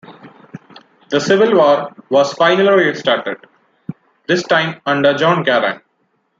The civil war was finally restarted, this time under John Garang.